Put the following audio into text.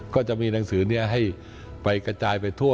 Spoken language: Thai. ก็จะมีหนังสือนี้ให้ไปกระจายไปทั่ว